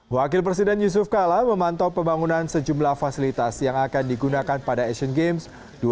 wakil presiden yusuf kala memantau pembangunan sejumlah fasilitas yang akan digunakan pada asian games dua ribu delapan belas